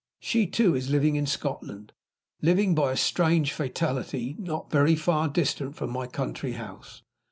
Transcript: She, too, is living in Scotland living, by a strange fatality, not very far distant from my country house.